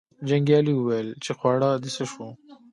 جنګیالي وویل چې خواړه دې څه شو.